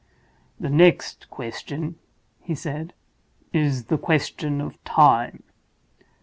"The next question," he said, "is the question of time.